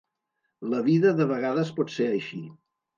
La vida de vegades pot ser així.